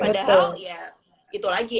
padahal ya gitu lagi